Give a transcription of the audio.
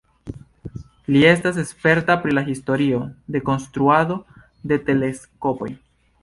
Li estas sperta pri la historio de konstruado de teleskopoj.